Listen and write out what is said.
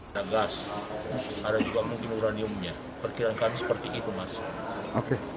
ada juga mungkin uraniumnya perkiraan kami seperti itu mas